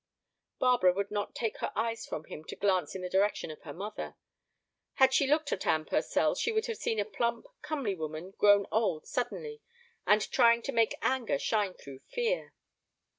Barbara would not take her eyes from him to glance in the direction of her mother. Had she looked at Anne Purcell she would have seen a plump, comely woman grown old suddenly, and trying to make anger shine through fear.